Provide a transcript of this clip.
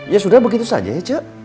ya sudah begitu saja ya cek